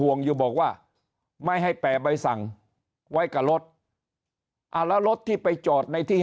ห่วงอยู่บอกว่าไม่ให้แปลใบสั่งไว้กับรถอ่าแล้วรถที่ไปจอดในที่